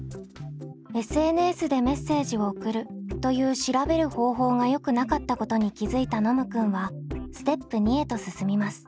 「ＳＮＳでメッセージを送る」という調べる方法がよくなかったことに気付いたノムくんはステップ２へと進みます。